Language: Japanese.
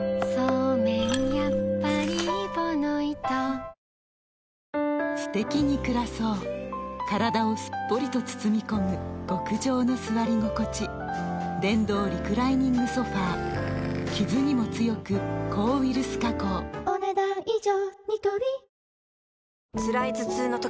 リスクケアの「ピュオーラ」クリームハミガキすてきに暮らそう体をすっぽりと包み込む極上の座り心地電動リクライニングソファ傷にも強く抗ウイルス加工お、ねだん以上。